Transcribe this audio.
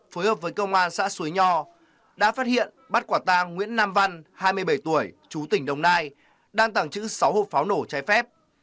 phối hợp với công an xã xuối nho đã phát hiện bắt quả tang nguyễn nam văn hai mươi bảy tuổi chú tỉnh đồng nai đang tặng chữ sáu hộp pháo nổ trái phép